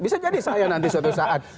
bisa jadi saya nanti suatu saat